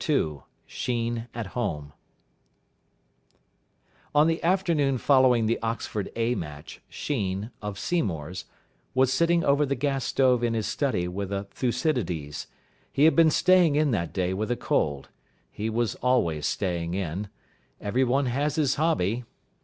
II SHEEN AT HOME On the afternoon following the Oxford A match, Sheen, of Seymour's, was sitting over the gas stove in his study with a Thucydides. He had been staying in that day with a cold. He was always staying in. Everyone has his hobby.